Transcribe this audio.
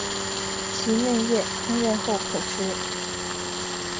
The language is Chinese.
其嫩叶烹饪后可食。